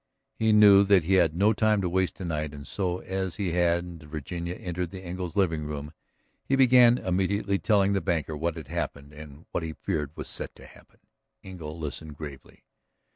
He knew that he had no time to waste tonight, and so as he and Virginia entered the Engles' living room he began immediately telling the banker what had happened and what he feared was set to happen. Engle listened gravely.